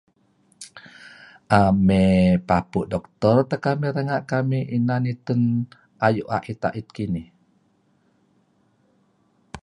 Emey papu' doctor teh kamih renga' kamih inan itun ayu' a'it a'it kinih